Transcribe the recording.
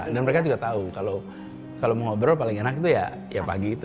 dan mereka juga tau kalau mau ngobrol paling enak itu ya pagi itu